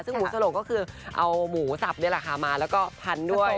ซึ่งหมูสลงก็คือเอาหมูสับมาแล้วก็พันต์ด้วย